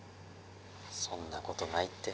そんなことないって。